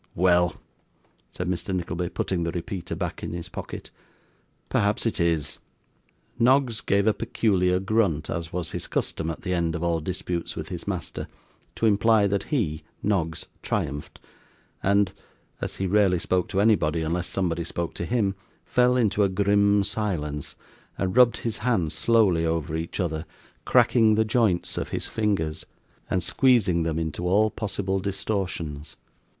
'Well!' said Mr. Nickleby, putting the repeater back in his pocket; 'perhaps it is.' Noggs gave a peculiar grunt, as was his custom at the end of all disputes with his master, to imply that he (Noggs) triumphed; and (as he rarely spoke to anybody unless somebody spoke to him) fell into a grim silence, and rubbed his hands slowly over each other: cracking the joints of his fingers, and squeezing them into all possible distortions.